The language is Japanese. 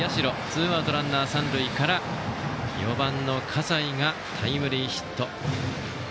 ツーアウトランナー、三塁から４番の笠井がタイムリーヒット。